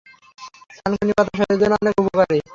থানকুনি পাতা শরীরের জন্য অনেক উপকারী।